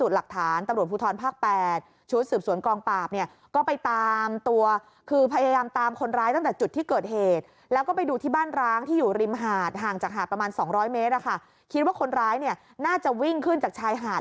ห่างจากหาดประมาณ๒๐๐เมตรคิดว่าคนร้ายน่าจะวิ่งขึ้นจากชายหาด